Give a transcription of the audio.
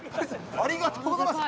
ありがとうございます。